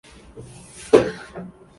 讨论节目以社会科学为话题。